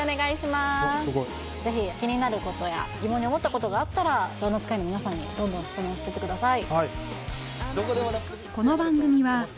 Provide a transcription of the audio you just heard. すごいぜひ気になることや疑問に思ったことがあったらドーナツ会員の皆さんにどんどん質問してってください